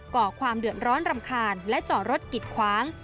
ก่อความเดือดร้อนรำคาญและจอดรถกิดขวาง